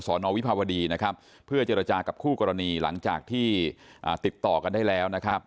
นวิภาวดีนะครับเพื่อเจรจากับคู่กรณีหลังจากที่ติดต่อกันได้แล้วนะครับ